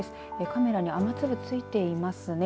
カメラに雨粒、ついていますね。